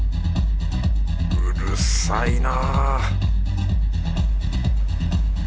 うるさいな